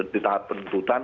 di tahap penutupan